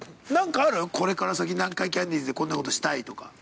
何かある、これから先、南海キャンディーズでこんなことがしたいとか。